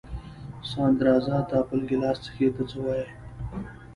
ساندرزه ته بل ګیلاس څښې، ته څه وایې؟